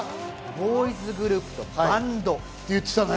ボーイズグループとバンド。